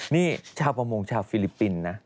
นี่ชาวประมงชาวฟิลิปปินส์นะ